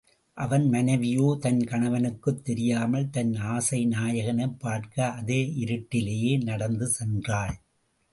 அவன் மனைவியோ தன் கணவனுக்குத் தெரியாமல் தன் ஆசைநாயகனைப் பார்க்க அதே இருட்டிலேயே நடந்து சொன்றாள்.